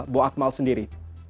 bukan bu akmal sendiri